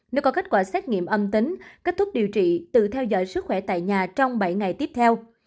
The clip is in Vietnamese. nếu có kết quả xét nghiệm âm tính kết thúc điều trị tự theo dõi sức khỏe tại nhà trong bảy ngày tiếp theo